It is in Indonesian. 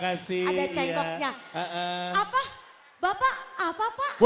kita berkadar dan menunjukanmu